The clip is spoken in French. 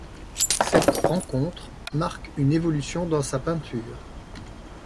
Cette rencontre marque une évolution dans sa peinture.